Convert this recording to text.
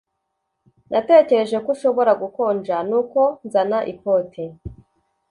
Natekereje ko ushobora gukonja nuko nzana ikoti